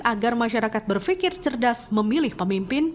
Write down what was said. agar masyarakat berpikir cerdas memilih pemimpin